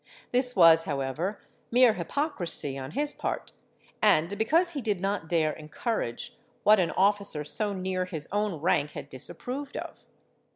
This was, however, mere hypocrisy on his part, and because he did not dare encourage what an officer so near his own rank had disapproved of.